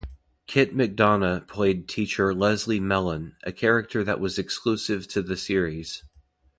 Kit McDonough played teacher Leslie Melon, a character that was exclusive to the series.